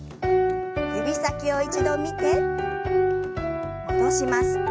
指先を一度見て戻します。